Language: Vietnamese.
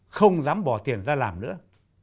không dám bỏ tiền ra làm nữa